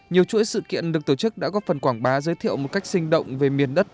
nhiều chuỗi sự kiện được tổ chức đã góp phần quảng bá giới thiệu một cách sinh động về miền đất